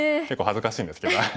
結構恥ずかしいんですけど。